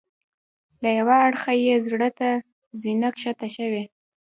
له یوه اړخه یې زړه ته زینه ښکته شوې.